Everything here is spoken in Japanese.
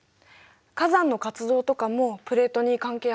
火山の活動とかもプレートに関係あるんだよね。